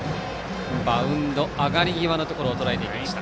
マウンド上がり際のところとらえていきました。